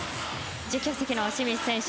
実況席の清水選手